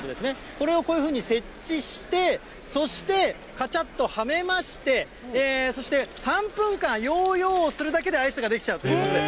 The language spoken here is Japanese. これをこういうふうに設置して、そしてかちゃっとはめまして、そして、３分間ヨーヨーをするだけでアイスが出来ちゃうということで。